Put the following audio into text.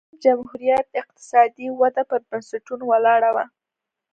د وینز جمهوریت اقتصادي وده پر بنسټونو ولاړه وه.